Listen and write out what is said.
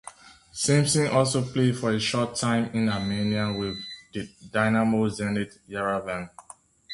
Simpson also played for a short time in Armenia with Dinamo-Zenit Yerevan.